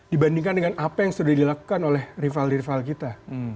dibandingkan dengan apa yang sudah dilakukan oleh rival rival kita